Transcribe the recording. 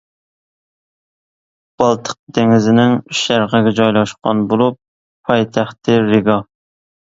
بالتىق دېڭىزىنىڭ شەرقىگە جايلاشقان بولۇپ، پايتەختى رىگا.